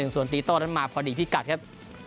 ส่วนตีโต้นั้นมาพอดีพิกัดครับ